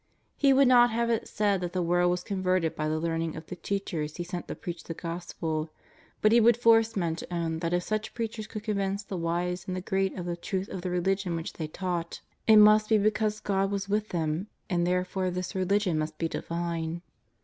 He would not have it said that the world was converted by the learning of the teachers He sent to preach the Gospel, but He would force men to own that if such preachers could convince the wise and the great of the truth of the religion which they taught, it must be because God was with them, and therefore this religion must be divine.